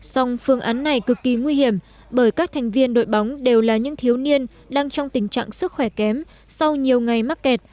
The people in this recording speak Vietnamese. song phương án này cực kỳ nguy hiểm bởi các thành viên đội bóng đều là những thiếu niên đang trong tình trạng sức khỏe kém sau nhiều ngày mắc kẹt